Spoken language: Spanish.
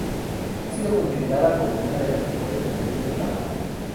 Ha sido considerada como una de las mejores canciones de la banda.